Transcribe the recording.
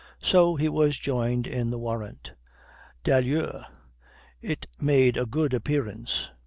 So he was joined in the warrant. D'ailleurs it made a good appearance.